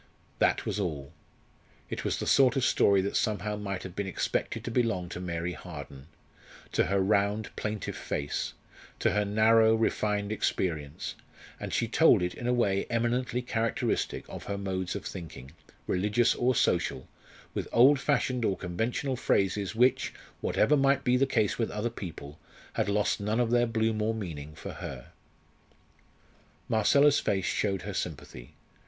That was all. It was the sort of story that somehow might have been expected to belong to Mary Harden to her round, plaintive face, to her narrow, refined experience; and she told it in a way eminently characteristic of her modes of thinking, religious or social, with old fashioned or conventional phrases which, whatever might be the case with other people, had lost none of their bloom or meaning for her. Marcella's face showed her sympathy.